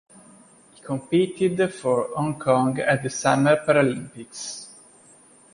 He competed for Hong Kong at the Summer Paralympics.